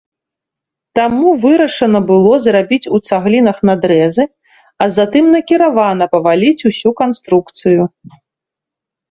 Таму вырашана было зрабіць у цаглінах надрэзы, а затым накіравана паваліць ўсю канструкцыю.